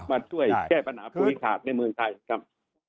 มาช่วยแก้ปัญหาภูริขาดในเมืองไทยครับ